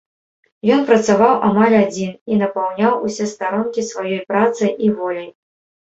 Ён працаваў амаль адзін і напаўняў усе старонкі сваёй працай і воляй.